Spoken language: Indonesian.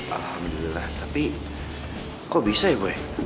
alhamdulillah tapi kok bisa ya boy